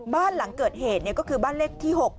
บ้านหลังเกิดเหตุก็คือบ้านเลขที่๖